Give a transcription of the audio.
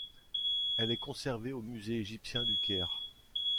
Elle est conservée au Musée égyptien du Caire.